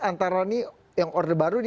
antara yang order baru ini